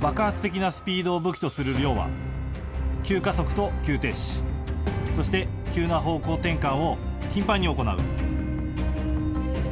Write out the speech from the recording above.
爆発的なスピードを武器とする亮は急加速と急停止そして急な方向転換を頻繁に行う。